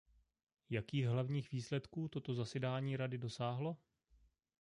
Jakých hlavních výsledků toto zasedání Rady dosáhlo?